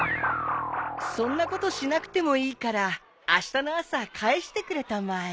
そんなことしなくてもいいからあしたの朝返してくれたまえ。